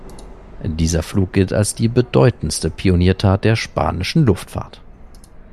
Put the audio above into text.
Dieser Flug gilt als die bedeutendste Pioniertat der spanischen Luftfahrt.